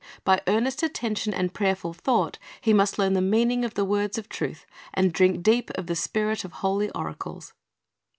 By earnest attention and prayerful thought he must learn the meaning of the words of truth, and drink deep of the spirit of the holy oracles.